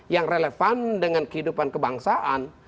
yang relevan dengan kehidupan kebangsaan